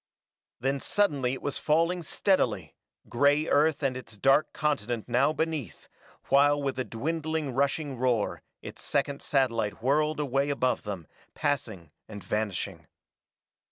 Then suddenly it was falling steadily, gray Earth and its dark continent now beneath, while with a dwindling rushing roar its second satellite whirled away above them, passing and vanishing.